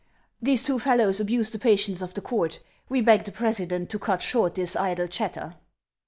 "These two fellows abuse the patience of the court. We beg the president to cut short this idle chatter."